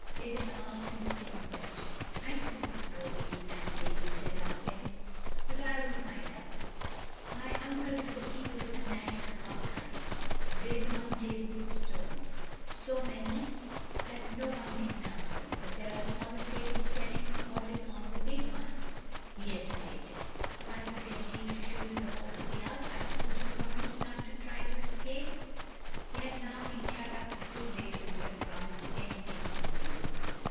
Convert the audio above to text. —Mavis asked him the same question. "I don't know—little land lady," said Ulfin, "but I will find out—my uncle is the Keeper of the National Archives, graven on tables of stone, so many that no one can count them, but there are smaller tables telling what is on the big ones—" he hesitated. "If I could get leave to show you the Hall of the Archives, would you promise not to try to escape?" They had now been shut up for two days and would have promised anything in reason.